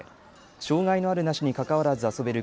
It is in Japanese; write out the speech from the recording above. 障害のあるなしにかかわらず遊べる